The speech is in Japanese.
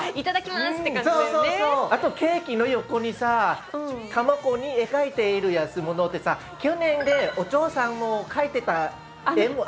あとケーキの横にさ卵に描いているやつものってさ去年お嬢さんも描いてた絵もあったよね。